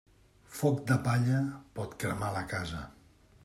Foc de palla pot cremar la casa.